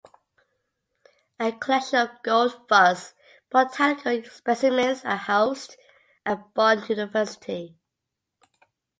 A collection of Goldfuss' botanical specimens are housed at Bonn University.